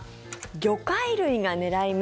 魚介類が狙い目